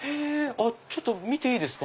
ちょっと見ていいですか？